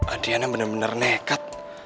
adriana bener bener nekat